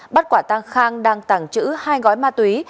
bắt quả tăng khang đăng tàng chữ hai gói ma túy